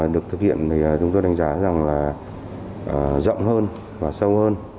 được thực hiện thì chúng tôi đánh giá rằng là rộng hơn và sâu hơn